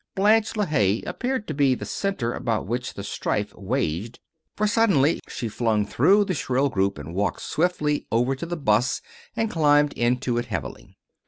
Blanche LeHaye appeared to be the center about which the strife waged, for suddenly she flung through the shrill group and walked swiftly over to the 'bus and climbed into it heavily.